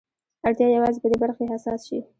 اړتيا يوازې په دې برخه کې حساس شي.